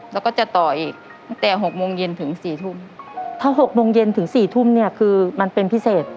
แล้วก็จะต่ออีกตั้งแต่๖โมงเย็นถึงสี่ทุ่มถ้า๖โมงเย็นถึงสี่ทุ่มเนี่ยคือมันเป็นพิเศษ